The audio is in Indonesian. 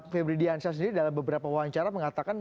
febri diansyah sendiri dalam beberapa wawancara mengatakan